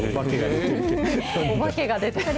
おばけが出てる。